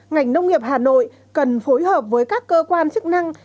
ngành nông nghiệp hà nội cần phối hợp với các cơ quan chức năng